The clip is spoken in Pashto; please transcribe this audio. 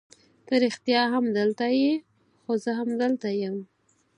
ته رښتیا هم دلته یې؟ هو زه همدلته یم.